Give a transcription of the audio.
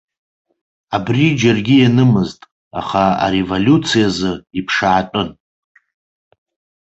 Абри џьаргьы ианымызт, аха ареволиуциа азы иԥшаатәын.